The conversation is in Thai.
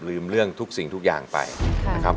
ลืมเรื่องทุกสิ่งทุกอย่างไปนะครับ